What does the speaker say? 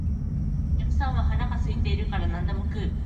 お客さんは腹が空いているから何でも食う